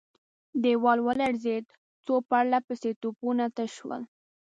دېوال ولړزېد، څو پرله پسې توپونه تش شول.